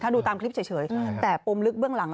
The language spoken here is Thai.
ดูตามคลิปเฉยแต่ปมลึกเบื้องหลัง